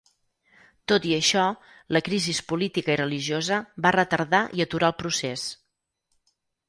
Tot i això, la crisis política i religiosa va retardar i aturar el procés.